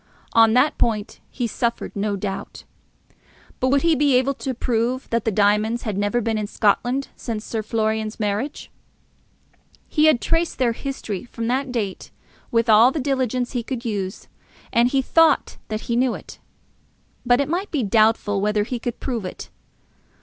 On that point he suffered no doubt. But would he be able to prove that the diamonds had never been in Scotland since Sir Florian's marriage? He had traced their history from that date with all the diligence he could use, and he thought that he knew it. But it might be doubtful whether he could prove it.